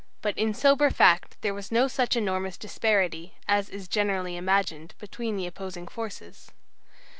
But in sober fact there was no such enormous disparity, as is generally imagined, between the opposing forces.